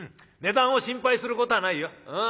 値段を心配することはないよ。